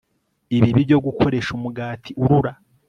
Ibibi byo Gukoresha Umugati Urura